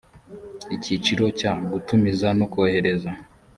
icyiciro cya gutumiza no kohereza